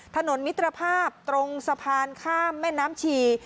ถนนมิตรภาพตรงสะพานข้ามแม่น้ำชี